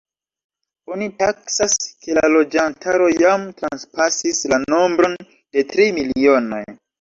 Oni taksas, ke la loĝantaro jam transpasis la nombron de tri milionoj.